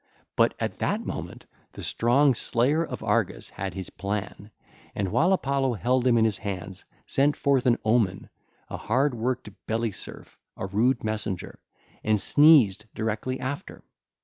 But at that moment the strong Slayer of Argus had his plan, and, while Apollo held him in his hands, sent forth an omen, a hard worked belly serf, a rude messenger, and sneezed directly after.